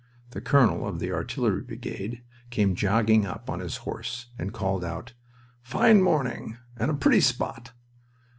The colonel of the artillery brigade came jogging up on his horse and called out, "Fine morning, and a pretty spot!"